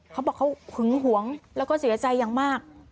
เขาบอกเขาหึงหวงแล้วก็เสียใจอย่างมาก